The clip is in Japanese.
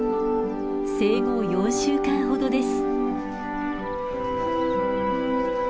生後４週間ほどです。